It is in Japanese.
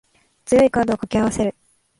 強いカードを掛け合わせる